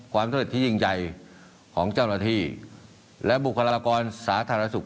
สำเร็จที่ยิ่งใหญ่ของเจ้าหน้าที่และบุคลากรสาธารณสุข